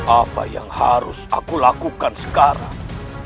apa yang harus aku lakukan sekarang